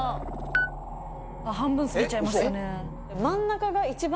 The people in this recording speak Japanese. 半分過ぎちゃいましたね。